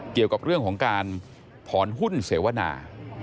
เกี่ยวกับเรื่องของการถอนหุ้นเสวนา